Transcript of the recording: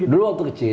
dulu waktu kecil